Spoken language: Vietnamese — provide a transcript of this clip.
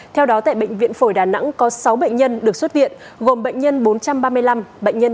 theo đó tại bệnh viện phổi đà nẵng có sáu bệnh nhân được xuất viện gồm bệnh nhân bốn trăm ba mươi năm bệnh nhân bốn trăm năm mươi năm